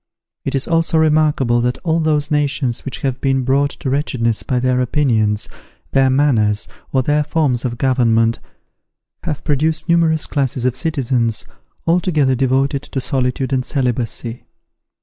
It is also remarkable that all those nations which have been brought to wretchedness by their opinions, their manners, or their forms of government, have produced numerous classes of citizens altogether devoted to solitude and celibacy.